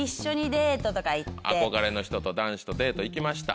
憧れの人と男子とデート行きました。